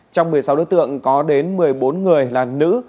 trong một mươi sáu đối tượng có đến một mươi bốn người là nữ